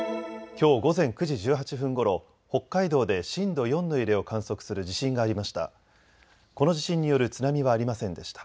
きょう午前９時１８分ごろ、北海道で震度４の揺れを観測する地震がありました。